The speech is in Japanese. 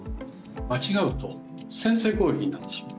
間違うと先制攻撃になってしまう。